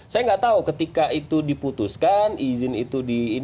saya nggak tahu ketika itu diputuskan izin itu di